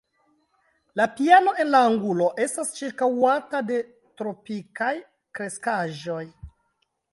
La piano en la angulo estas ĉirkaŭata de tropikaj kreskaĵoj.